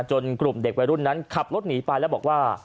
กลุ่มเด็กวัยรุ่นนั้นขับรถหนีไปแล้วบอกว่า